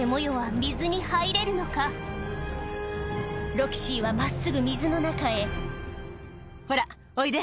ロキシーは真っすぐ水の中へほらおいで。